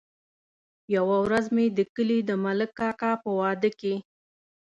يوه ورځ مې د کلي د ملک کاکا په واده کې.